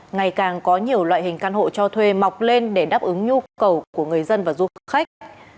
ngày càng có nhiều loại hình căn hộ cho thuê mọc lên để đáp ứng nhu cầu của người dân và du khách